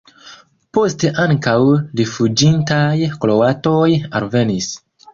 Poste ankaŭ rifuĝintaj kroatoj alvenis.